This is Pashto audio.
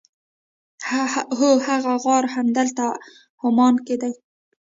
هو هغه غار همدلته عمان کې دی.